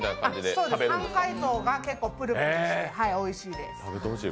そうです、半解凍が結構プルプルしておいしいです。